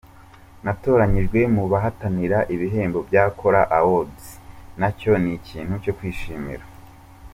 Natoranyijwe mu bahatanira ibihembo bya Kora Awards, nacyo ni ikintu cyo kwishimira.